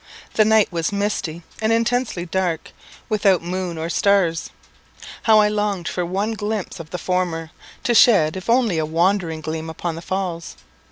The night was misty and intensely dark, without moon or stars. How I longed for one glimpse of the former, to shed if only a wandering gleam upon the Falls!